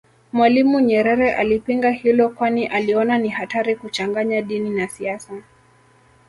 Mwalimu Nyerere alipinga hilo kwani aliona ni hatari kuchanganya dini na siasa